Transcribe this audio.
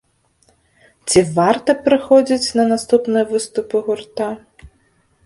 Ці варта прыходзіць на наступныя выступы гурта?